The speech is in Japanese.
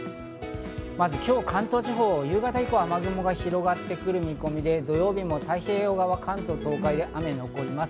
まず今日、関東地方は夕方以降、雨雲が広がってくる見込みで、土曜日も太平洋側は関東、東海で雨が残ります。